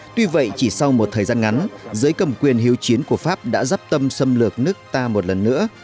tuy vậy chỉ sau một thời gian ngắn giới cầm quyền hiếu chiến của pháp đã dắp tâm xâm lược nước ta một lần nữa